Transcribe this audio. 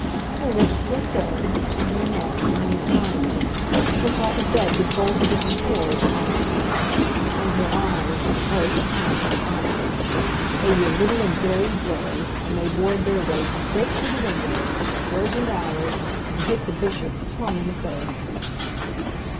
Her lips were thin, and her neck, hung with diamonds, looked like a bed with bolsters and pillows piled high, and her eyes oh, Tom, her eyes! They were little and very gray, and they bored their way straight through the windows hers and ours and hit the Bishop plumb in the face.